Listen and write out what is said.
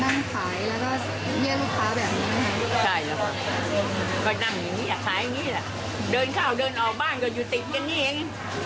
เดินเข้าระเบินเดินออกบ้านก็อยู่ติดกันเอง